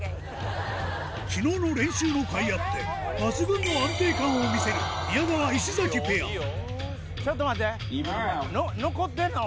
昨日の練習のかいあって抜群の安定感を見せる宮川石ペアちょっと待って。